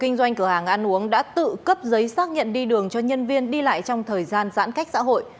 kinh doanh cửa hàng ăn uống đã tự cấp giấy xác nhận đi đường cho nhân viên đi lại trong thời gian giãn cách xã hội